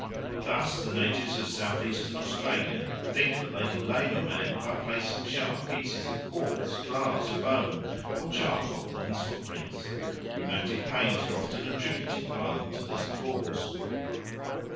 Thus the natives of South eastern Australia think that they can lame a man by placing sharp pieces of quartz, glass, bone, or charcoal in his footprints. Rheumatic pains are often attributed by them to this cause.